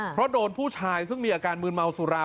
เพราะโดนผู้ชายซึ่งมีอาการมืนเมาสุรา